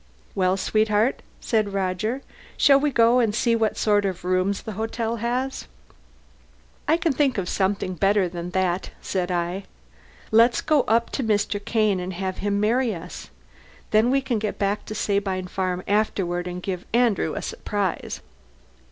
"Well, sweetheart," said Roger, "shall we go and see what sort of rooms the hotel has?" "I can think of something better than that," said I. "Let's go up to Mr. Kane and have him marry us. Then we can get back to Sabine Farm afterward, and give Andrew a surprise."